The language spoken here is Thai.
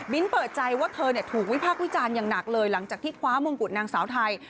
เปิดใจว่าเธอถูกวิพากษ์วิจารณ์อย่างหนักเลยหลังจากที่คว้ามงกุฎนางสาวไทย